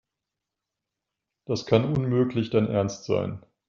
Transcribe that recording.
Das kann unmöglich dein Ernst sein.